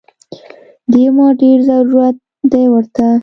دې ما ډېر ضرورت دی ورته